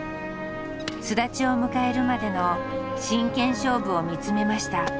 巣立ちを迎えるまでの真剣勝負を見つめました。